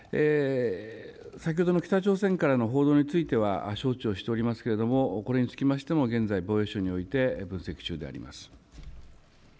先ほどの北朝鮮からの報道については、承知をしておりますけれども、これにつきましても現在、防衛省において分析中であります。